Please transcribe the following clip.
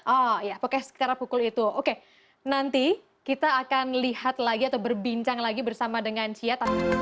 oh ya pokoknya sekitar pukul itu oke nanti kita akan lihat lagi atau berbincang lagi bersama dengan cia